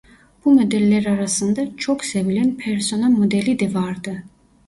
Bu modeller arasında çok sevilen Persona modeli de vardı.